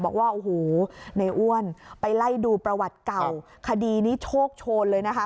บอกว่าโอ้โหในอ้วนไปไล่ดูประวัติเก่าคดีนี้โชคโชนเลยนะคะ